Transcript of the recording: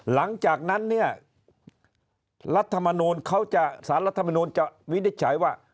หลังจากนั้นเนี่ยสารรัฐมนุนจะวินิจฉัยว่า